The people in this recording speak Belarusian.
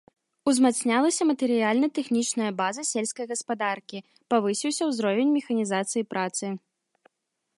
Узмацнялася матэрыяльна-тэхнічная база сельскай гаспадаркі, павысіўся ўзровень механізацыі працы.